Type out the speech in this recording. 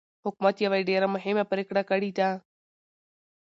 حکومت يوه ډېره مهمه پرېکړه کړې ده.